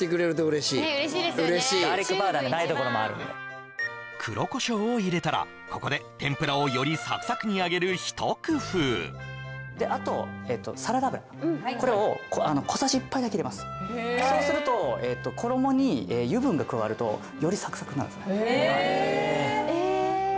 嬉しいチューブ一番ガーリックパウダーがないところもあるので黒コショウを入れたらここで天ぷらをよりサクサクに揚げる一工夫であとこれを小さじ１杯だけ入れますそうすると衣に油分が加わるとよりサクサクになるんですへえ！